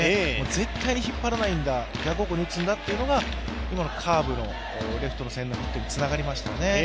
絶対に引っ張らないんだ、逆方向に打つんだいうのが今のカーブのレフト打線につながりましたね。